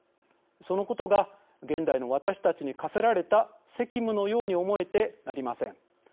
そのことが現代の私たちに課せられた責務のように思えてなりません。